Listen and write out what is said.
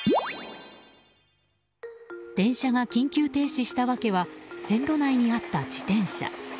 電車が緊急停止した訳は線路内にあった自転車。